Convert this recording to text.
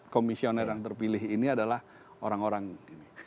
komisioner yang terpilih ini adalah orang orang ini